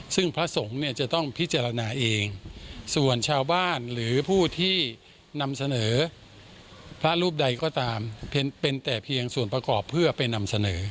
ซึ่งพระสงฆ์เนี่ยจะต้องพิจารณาเองส่วนชาวบ้านหรือผู้ที่นำเสนอพระรูปใดก็ตามเป็นแต่เพียงส่วนประกอบเพื่อไปนำเสนอ